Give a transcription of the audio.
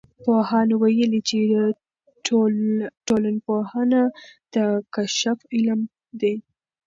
پوهانو ویلي چې ټولنپوهنه د کشف علم دی.